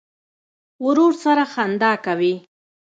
ورور سره خندا کوې.